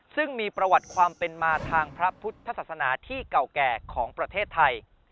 ซึ่งมีประวัติความเป็นมาทางพระพุทธศาสนาที่เก่าแก่ของประเทศไทย